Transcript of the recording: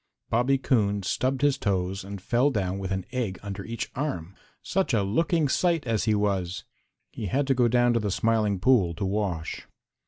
Bobby Coon stubbed his toes and fell down with an egg under each arm. Such a looking sight as he was! He had to go down to the Smiling Pool to wash.